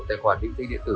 tài khoản định tên điện tử